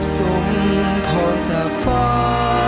ทรงพลจากฟ้า